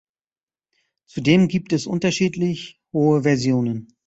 Zudem gibt es unterschiedlich hohe Versionen.